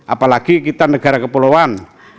apalagi kita negara kepulauan